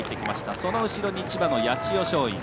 その後ろに千葉の八千代松陰。